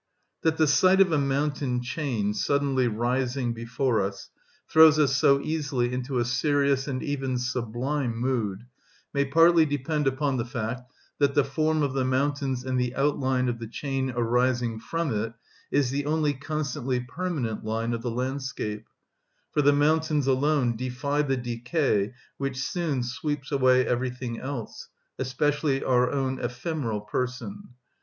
That the sight of a mountain chain suddenly rising before us throws us so easily into a serious, and even sublime mood may partly depend upon the fact that the form of the mountains and the outline of the chain arising from it is the only constantly permanent line of the landscape, for the mountains alone defy the decay which soon sweeps away everything else, especially our own ephemeral person.